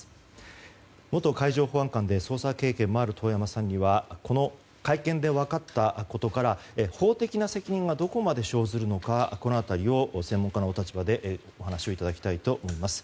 元海上保安官で捜査経験もある遠山さんにはこの会見で分かったことから法的な責任がどこまで生ずるのかこの辺りを専門家のお立場でお話をいただきたいと思います。